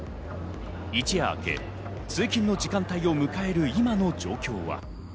一夜明け、通勤の時間帯を迎える今の状況は。